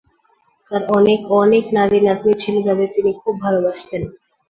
তার অনেক, অনেক নাতিনাতনী ছিল যাদের তিনি খুব ভালবাসতেন।